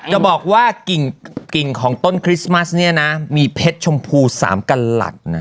ก็บอกว่ากิ่งของต้นคริสต์มาสมีเผ็ดชมพูสามกระหลัด